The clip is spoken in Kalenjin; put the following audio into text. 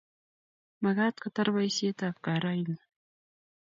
Magaat kotar boisietab gaa raini